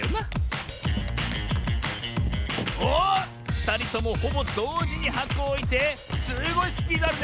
ふたりともほぼどうじにはこをおいてすごいスピードあるね！